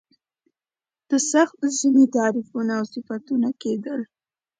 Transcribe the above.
د سخت ژمي تعریفونه او صفتونه کېدل.